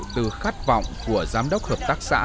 từ khát vọng của giám đốc hợp tác xã